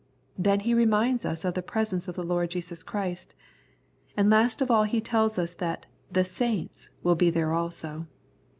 Then he reminds us of the presence of the Lord Jesus Christ. And last of all he tells us that " the saints " will be there also.